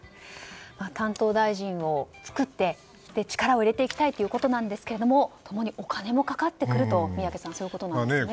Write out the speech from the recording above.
担当大臣を作って力を入れていきたいということですがともにお金もかかってくるということなんですね。